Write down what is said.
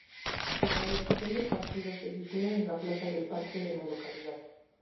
La dirección del partido se sitúa en la Plaza del Parque de la localidad.